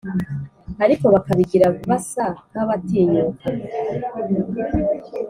ariko bakabigira basa nk'abatinyuka